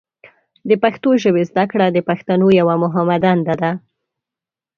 د پښتو ژبې زده کړه د پښتنو یوه مهمه دنده ده.